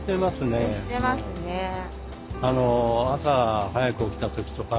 朝早く起きた時とか。